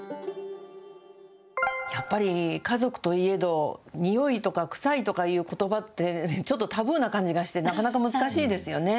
やっぱり、家族といえど、においとか、臭いとかいうことばって、ちょっとタブーな感じがしてなかなか難しいですよね。